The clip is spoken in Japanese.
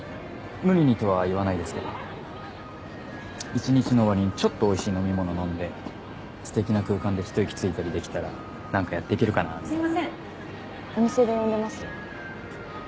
無理にとは言わないですけど１日の終わりにちょっとおいしい飲み物飲んですてきな空間でひと息ついたりできたらなんかやっていけるかなってすいませんお店で呼んでますよ